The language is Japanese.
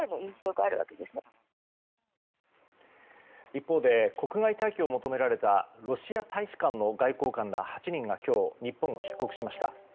一方で国外退去を求められたロシア大使館の外交官ら８人が今日日本を出国しました。